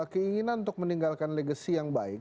keinginan untuk meninggalkan legacy yang baik